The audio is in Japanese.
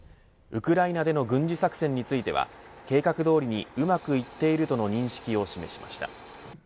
ウクライナでの軍事作戦については計画どおりにうまくいっているとの認識を示しました。